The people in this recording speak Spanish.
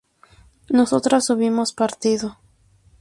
nosotras hubimos partido